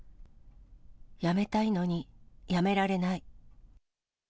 やめたいのに、やめられない。